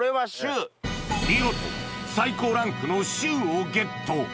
見事最高ランクの「秀」をゲット